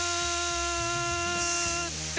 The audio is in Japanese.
って